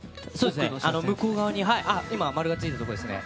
向こう側に今、丸がついてるところですね。